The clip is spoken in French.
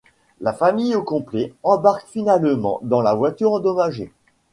La famille au complet embarque finalement dans la voiture endommagée.